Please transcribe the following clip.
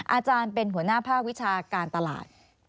อาจารย์เป็นหัวหน้าภาควิชาการตลาด